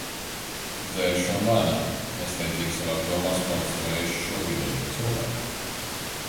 Dzeršu un lēnām, nesteidzīgi savās domās konstruēšu šo vidējo cilvēku.